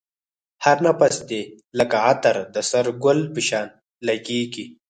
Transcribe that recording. هر نفس دی لکه عطر د سره گل په شان لگېږی